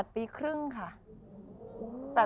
ปีครึ่งค่ะ